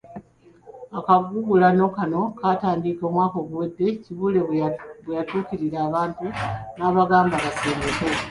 Akagugulano kano kaatandika mwaka guwedde Kibuule bwe yatuukirira abantu n'abagamba basenguke.